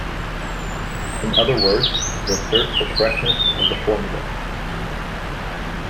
In other words, it asserts the correctness of the formulas.